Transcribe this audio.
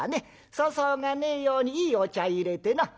粗相がねえようにいいお茶いれてな」。